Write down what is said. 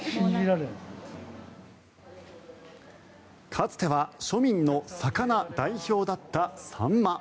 かつては庶民の魚代表だった、サンマ。